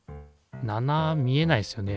７見えないですよね。